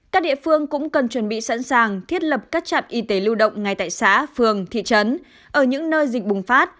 các địa phương cũng cần chuẩn bị sẵn sàng thiết lập các trạm y tế lưu động ngay tại xã phường thị trấn ở những nơi dịch bùng phát